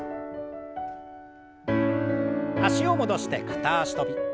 脚を戻して片脚跳び。